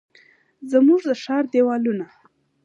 زموږ د ښار دیوالونه،